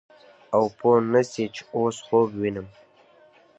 او پوه نه سې چې اوس خوب وينم.